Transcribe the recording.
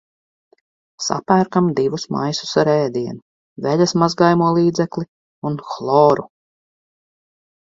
Sapērkam divus maisus ar ēdienu, veļas mazgājamo līdzekli un hloru.